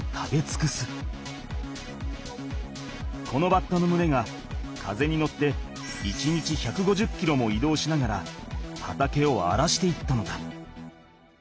このバッタのむれが風に乗って１日１５０キロも移動しながら畑をあらしていったのだ。